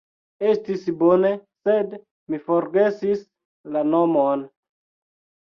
Estis bone, sed mi forgesis la nomon